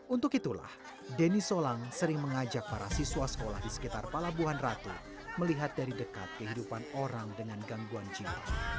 untuk itulah denny solang sering mengajak para siswa sekolah di sekitar palabuhan ratu melihat dari dekat kehidupan orang dengan gangguan jiwa